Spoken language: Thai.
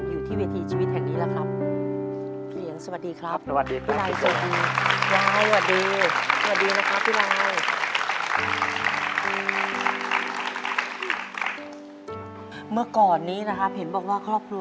อยู่ที่เวทีชีวิตแห่งนี้แหละครับ